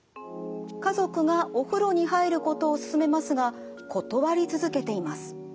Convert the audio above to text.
家族がお風呂に入ることを勧めますが断り続けています。